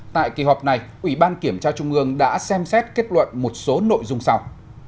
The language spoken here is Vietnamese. tại kỳ họp này ủy ban kiểm tra trung ương đã xem xét kết luận một số nội dung sau